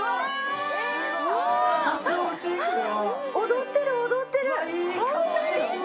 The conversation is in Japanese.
踊ってる、踊ってる！